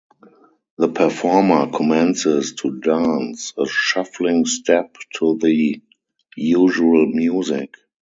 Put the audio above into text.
The performer commences to dance a shuffling step to the usual music.